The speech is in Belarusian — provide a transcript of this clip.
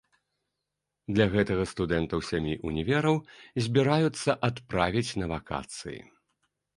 Для гэтага студэнтаў сямі ўнівераў збіраюцца адправіць на вакацыі.